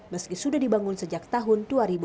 meski sudah dibangun sejak tahun dua ribu dua